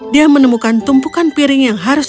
dia menemukan tumpukan piring yang harus